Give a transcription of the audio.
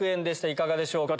いかがでしょうか？